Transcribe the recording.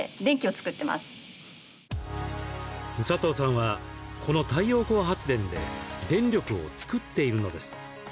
サトウさんは、この太陽光発電で電力を作っているのです。